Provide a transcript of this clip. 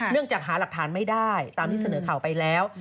จากหาหลักฐานไม่ได้ตามที่เสนอข่าวไปแล้ว